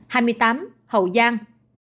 hai mươi tám hậu giang